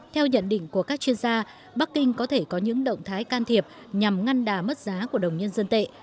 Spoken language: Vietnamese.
theo nhận định của các chuyên gia bắc kinh có thể có những động thái can thiệp nhằm ngăn đà mất giá của đồng nhân dân tệ